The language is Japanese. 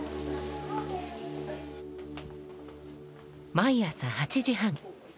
毎朝８時半救急